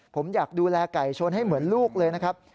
ผมอยากดูแลไก่ชนให้เหมือนลูกเลยนะครับ